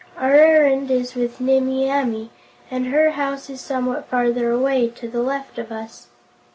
Our errand is with Nimmie Amee, and her house is somewhat farther away, to the left of us."